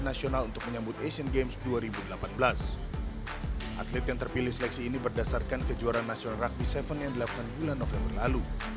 atlet yang terpilih seleksi ini berdasarkan kejuaraan nasional rugby tujuh yang dilakukan bulan november lalu